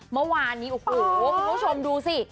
เมื่อวานนี้โอ้โหคุณผู้ชมดูสิ